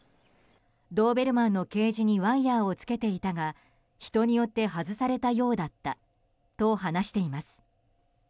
ドーベルマンのケージにワイヤをつけていたが人によって外されたようだったと話しています。